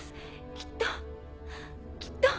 きっときっと。